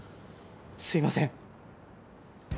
すいません。